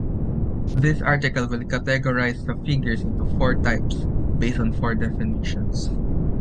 This article will categorize the figures into four types, based on four definitions.